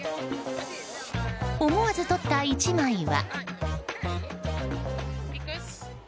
思わず撮った１枚は。